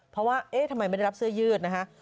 เพราะว่าเอ๊ะทำไมไม่ได้รับเสื้อยืดนะฮะ